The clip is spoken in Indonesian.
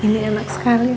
ini enak sekali ma